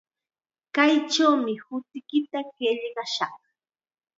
Kaychawmi hutiykita qillqashaq.